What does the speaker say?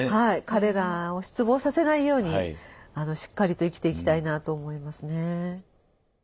彼らを失望させないようにしっかりと生きていきたいなと思いますね。